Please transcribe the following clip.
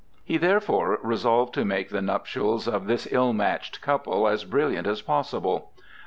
He therefore resolved to make the nuptials of this ill matched couple as brilliant as possible.